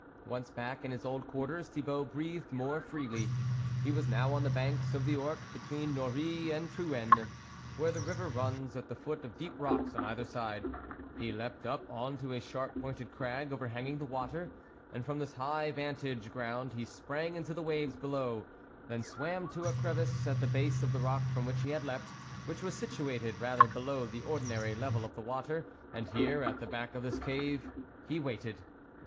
Once back in his old quarters Thibault breathed more freely. He was now on the banks of the Ourcq between Norroy and Trouennes, where the river runs at the foot of deep rocks on either side ; he leaped up on to a sharp pointed crag overhanging the water, and from this high vantage ground he sprang into the waves below, then swam to a crevice at the base of the rock from which he had leapt, which was situated rather below the ordinary level of the water, and here, at the back of this cave, he waited.